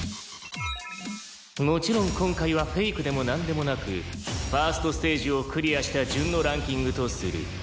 「もちろん今回はフェイクでもなんでもなく１ｓｔステージをクリアした順のランキングとする」